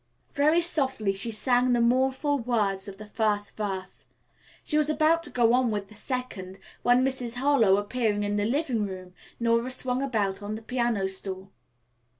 Very softly she sang the mournful words of the first verse. She was about to go on with the second when, Mrs. Harlowe appearing in the living room, Nora swung about on the piano stool.